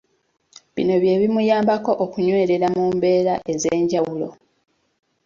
Bino bye bimuyambako okunywerera mu mbeera ez’enjawulo.